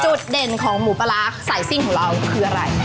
จุดเด่นของหมูปลาร้าสายซิ่งของเราคืออะไร